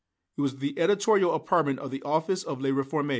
It was the editorial apartment of the office of "La Réforme."